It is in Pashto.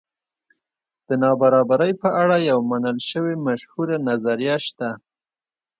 د نابرابرۍ په اړه یوه منل شوې مشهوره نظریه شته.